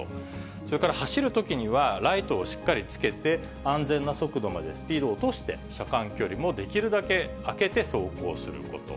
それから走るときには、ライトをしっかりつけて、安全な速度までスピードを落として、車間距離もできるだけ空けて走行すること。